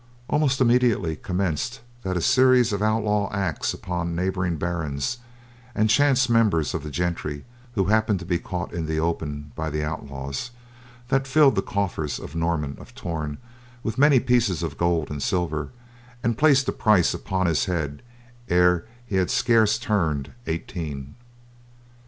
Almost immediately commenced that series of outlaw acts upon neighboring barons, and chance members of the gentry who happened to be caught in the open by the outlaws, that filled the coffers of Norman of Torn with many pieces of gold and silver, and placed a price upon his head ere he had scarce turned eighteen.